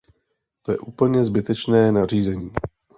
To je úplně zbytečné nařízení.